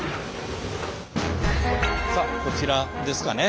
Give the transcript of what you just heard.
さあこちらですかね。